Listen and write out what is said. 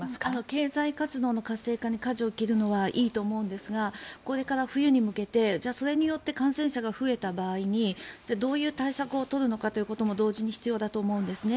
経済活動の活性化にかじを切るのはいいと思うんですがこれから冬に向けてじゃあ、それによって感染者が増えた場合にどういう対策を取るかということも同時に必要だと思うんですね。